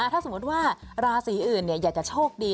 ถ้าสมมติว่าราศีอื่นอยากจะโชคดี